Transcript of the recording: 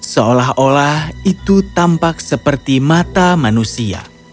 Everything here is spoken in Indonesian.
seolah olah itu tampak seperti mata manusia